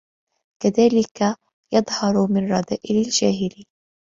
كَذَلِكَ يَظْهَرُ مِنْ رَذَائِلِ الْجَاهِلِ